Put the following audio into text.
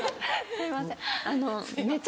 「すいません」